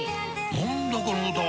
何だこの歌は！